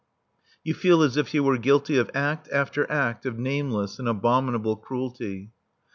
You feel as if you were guilty of act after act of nameless and abominable cruelty.